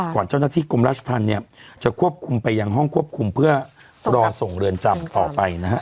เจ้าหน้าที่กรมราชธรรมเนี่ยจะควบคุมไปยังห้องควบคุมเพื่อรอส่งเรือนจำต่อไปนะฮะ